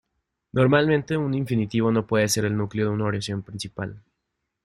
Normalmente un infinitivo no puede ser el núcleo de una oración principal.